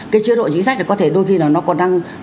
cái chế độ chính sách có thể đôi khi nó còn đang